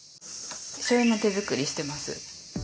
しょうゆも手作りしてます。